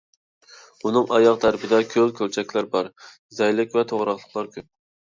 ئۇنىڭ ئاياغ تەرىپىدە كۆل، كۆلچەكلەر بار، زەيلىك ۋە توغراقلىقلار كۆپ.